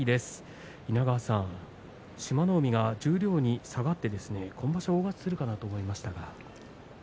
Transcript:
海が十両に下がって今場所、大勝ちするかなと思いましたが。